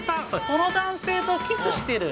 この男性とキスしてる。